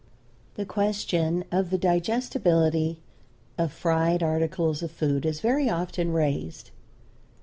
The question of the digestibility of fried articles of food is very often raised.